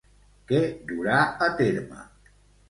Què durà a terme?